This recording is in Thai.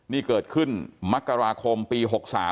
นี่เกิดขึ้นมกราคมปี๖๓